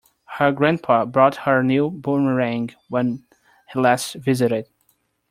Her grandpa bought her a new boomerang when he last visited.